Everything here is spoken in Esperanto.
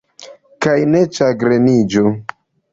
Kaj ne ĉagreniĝu.